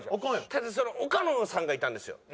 ただその岡野さんがいたんですよ。